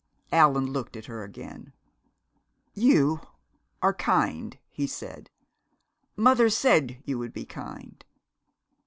Allan looked at her again. "You are kind," he said. "Mother said you would be kind.